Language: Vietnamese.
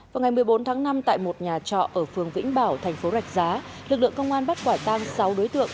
vào ngày một mươi bốn tháng năm tại một nhà trọ ở phường vĩnh bảo thành phố rạch giá lực lượng công an bắt quả tang sáu đối tượng